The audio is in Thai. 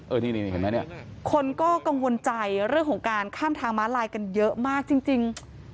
นี่เห็นไหมเนี่ยคนก็กังวลใจเรื่องของการข้ามทางม้าลายกันเยอะมากจริง